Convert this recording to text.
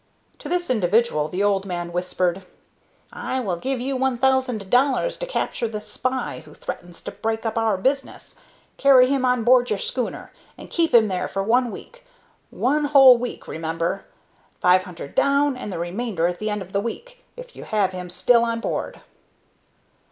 To this individual the old man whispered: "I will give you one thousand dollars to capture this spy, who threatens to break up our business. Carry him on board your schooner, and keep him there for one week one whole week, remember. Five hundred down, and the remainder at the end of the week, if you have him still on board."